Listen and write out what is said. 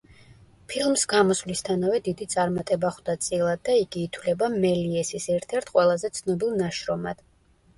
ფილმს გამოსვლისთანავე დიდი წარმატება ხვდა წილად და იგი ითვლება მელიესის ერთ-ერთ ყველაზე ცნობილ ნაშრომად.